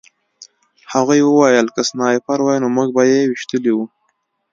هغوی وویل که سنایپر وای نو موږ به یې ویشتلي وو